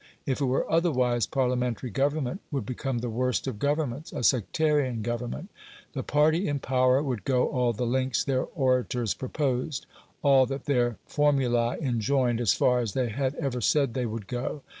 If it were otherwise, Parliamentary government would become the worst of governments a sectarian government. The party in power would go all the lengths their orators proposed all that their formulae enjoined, as far as they had ever said they would go.